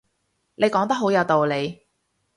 你講得好有道理